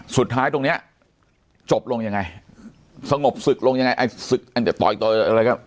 สุดท้ายตรงเนี้ยจบลงยังไงสงบศึกลงยังไงไอ้ศึกอันเดียวต่ออีกต่ออีกต่ออะไรครับ